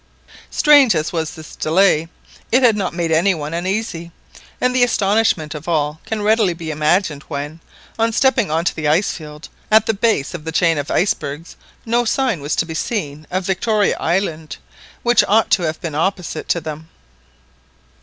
Strange as was this delay, it had not made any one uneasy, and the astonishment of all can readily be imagined when, on stepping on to the ice field, at the base of the chain of icebergs, no sign was to be seen of Victoria Island, which ought to have been opposite to them.